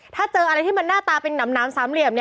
ถ้าเจออะไรที่มันหน้าตาเป็นหนามสามเหลี่ยม